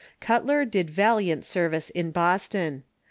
Cutler did valiant service in Boston.